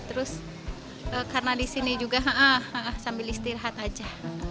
terus karena di sini juga sambil istirahat aja